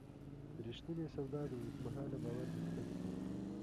رښتینې سودا د اوږدمهاله باور بنسټ دی.